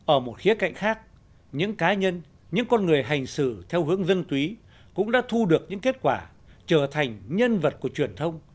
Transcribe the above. ở một khía cạnh khác những cá nhân những con người hành xử theo hướng dân túy cũng đã thu được những kết quả trở thành nhân vật của truyền thông